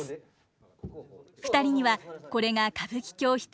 ２人にはこれが歌舞伎教室